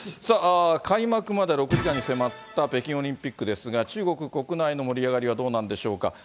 開幕まで６時間に迫った北京オリンピックですが、中国国内の盛り上がりはどうなんでしょうか。